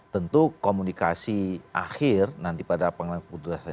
tentu komunikasi akhir nanti pada pengambilan keputusan